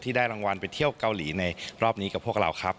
ได้รางวัลไปเที่ยวเกาหลีในรอบนี้กับพวกเราครับ